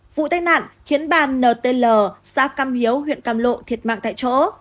vụ tai nạn khiến bàn ntl xa căm hiếu huyện căm lộ thiệt mạng tại chỗ